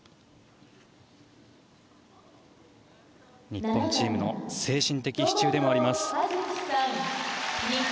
日本チームの精神的支柱でもあります。